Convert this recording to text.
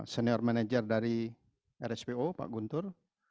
senior manager dari rspo pak guntur